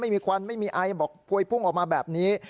ควันไม่มีไอบอกพวยพุ่งออกมาแบบนี้